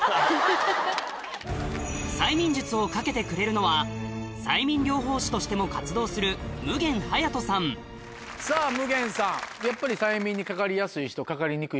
催眠術をかけてくれるのは催眠療法士としても活動するさぁ夢幻さん